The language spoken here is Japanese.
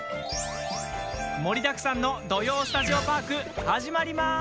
盛りだくさんの「土曜スタジオパーク」始まりまーす！